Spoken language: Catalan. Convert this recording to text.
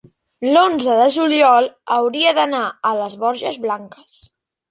l'onze de juliol hauria d'anar a les Borges Blanques.